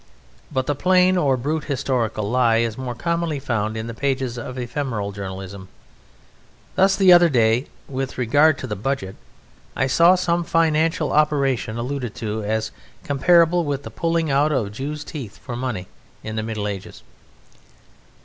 But the plain or brute historical lie is more commonly found in the pages of ephemeral journalism. Thus the other day, with regard to the Budget, I saw some financial operation alluded to as comparable with "the pulling out of Jews' teeth for money in the Middle Ages."